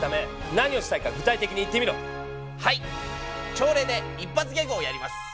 朝礼で一発ギャグをやります！